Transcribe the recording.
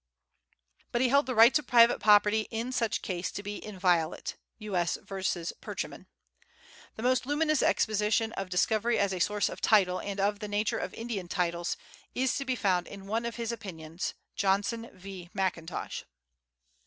But he held the rights of private property in such case to be inviolate (U.S. v. Percheman). The most luminous exposition of discovery as a source of title, and of the nature of Indian titles, is to be found in one of his opinions (Johnson v. McIntosh).